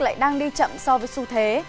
lại đang đi chậm so với xu thế